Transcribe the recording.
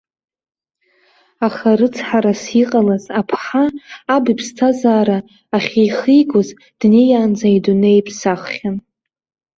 Аха, рыцҳарас иҟалаз, аԥҳа, аб иԥсҭазаара ахьихигоз днеиаанӡа идунеи иԥсаххьан.